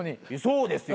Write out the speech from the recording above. そうですよ。